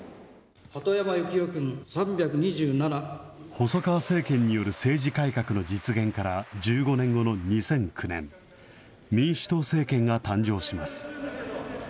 細川政権による政治改革の実現から１５年後の２００９年、民主党政権が誕生します。